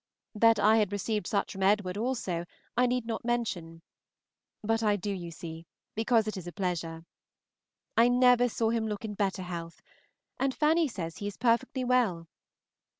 That I had received such from Edward also I need not mention; but I do, you see, because it is a pleasure. I never saw him look in better health, and Fanny says he is perfectly well.